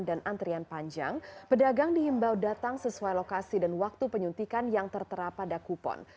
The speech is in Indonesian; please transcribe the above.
dan antrian panjang pedagang dihimbau datang sesuai lokasi dan waktu penyuntikan yang tertera pada kupon